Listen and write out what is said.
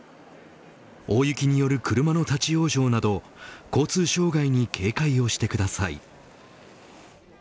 大雪による車の立ち往生など交通障害に警戒をしてください。